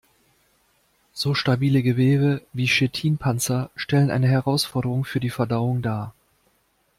So stabile Gewebe wie Chitinpanzer stellen eine Herausforderung für die Verdauung dar.